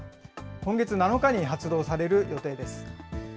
今月７日に発動される予定です。